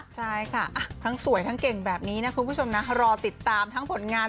ไม่เฟสค่ะเรื่องนี้ก็จะเปิดกล้องกันยาน